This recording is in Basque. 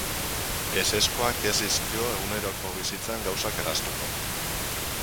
Ezezkoak ez dizkio eguneroko bizitzan gauzak erraztuko.